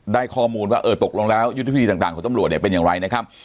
ข้อมูลว่าเออตกลงแล้วยุทธวิธีต่างของตำรวจเนี่ยเป็นอย่างไรนะครับ